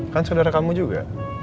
kan saudara kamu juga